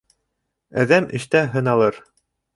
Әҙәм эштә һыналыр.